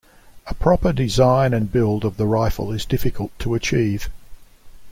A proper design and build of the rifle is difficult to achieve.